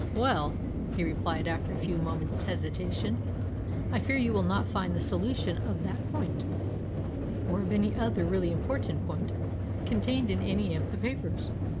"Well," he replied after a few moments' hesitation, "I fear you will not find the solution of that point, or of any other really important point, contained in any of the papers.